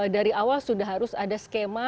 dari awal sudah harus ada skema